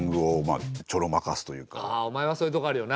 ああおまえはそういうとこあるよな。